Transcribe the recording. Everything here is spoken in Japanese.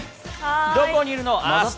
どこにいるの？